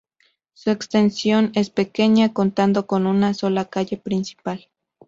Su extensión es pequeña, contando con una sola calle principal.